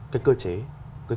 cái cơ chế